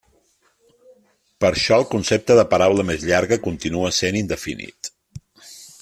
Per això el concepte de paraula més llarga continua sent indefinit.